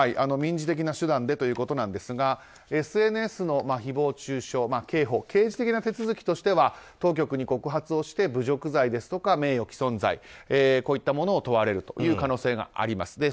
民事的な手段でということなんですがＳＮＳの誹謗中傷刑事的な手続きとしては当局に告発をして侮辱罪や名誉棄損罪こういったものを問われるという可能性があります。